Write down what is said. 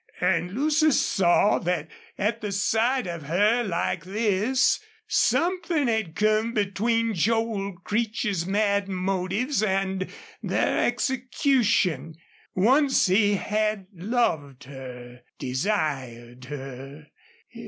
And Lucy saw that at the sight of her like this something had come between Joel Creech's mad motives and their execution. Once he had loved her desired her.